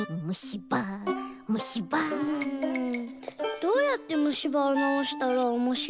どうやってむしばをなおしたらおもしろいかなあ。